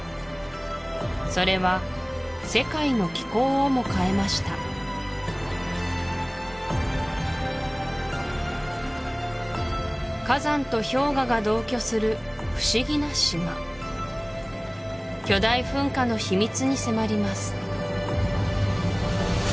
それは世界の気候をも変えました火山と氷河が同居する不思議な島巨大噴火の秘密に迫ります